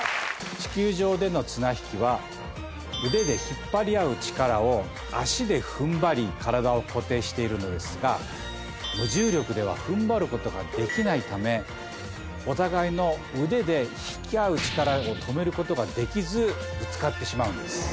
地球上での綱引きは腕で引っ張り合う力を足で踏ん張り体を固定しているのですが無重力では踏ん張ることができないためお互いの腕で引き合う力を止めることができずぶつかってしまうんです。